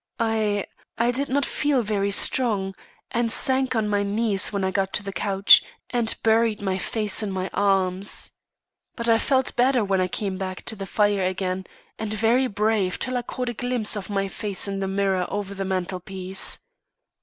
I I did not feel very strong, and sank on my knees when I got to the couch, and buried my face in my arms. But I felt better when I came back to the fire again, and very brave till I caught a glimpse of my face in the mirror over the mantelpiece.